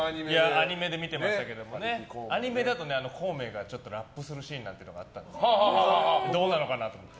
アニメで見てましたけどアニメでは孔明がラップするシーンがあったりしてどうなのかなと思って。